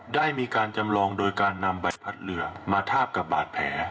ได้มีการจำลองโดยการนำใบพัดเรือมาทาบกับบาดแผล